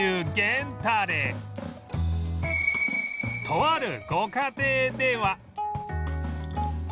とあるご家庭では